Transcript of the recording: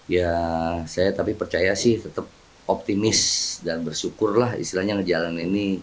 ya saya tapi percaya sih tetap optimis dan bersyukur lah istilahnya ngejalan ini